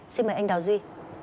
xin mời anh đào duy